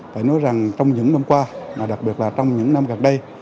phải nói rằng trong những năm qua đặc biệt là trong những năm gần đây